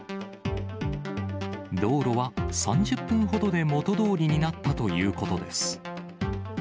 道路は３０分ほどで元どおりになったということです。